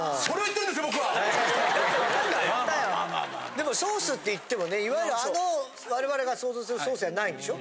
でもソースっていってもねいわゆるあの我々が想像するソースじゃないんでしょ？